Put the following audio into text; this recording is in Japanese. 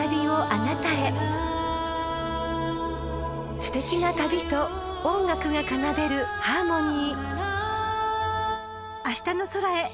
［すてきな旅と音楽が奏でるハーモニー］